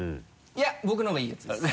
いや僕の方がいいやつです。